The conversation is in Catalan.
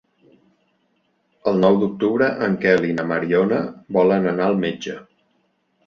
El nou d'octubre en Quel i na Mariona volen anar al metge.